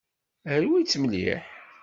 Rwit-tt mliḥ.